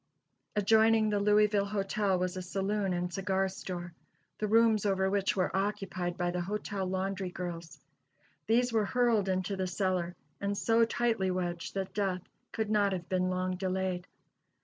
Adjoining the Louisville Hotel was a saloon and cigar store, the rooms over which were occupied by the hotel laundry girls. These were hurled into the cellar, and so tightly wedged that death could not have been long delayed.